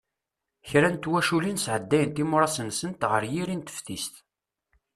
Kra n twaculin sεeddayent imuras-nsen ɣer yiri n teftist.